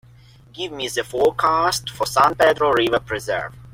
Give me the forecast for San Pedro River Preserve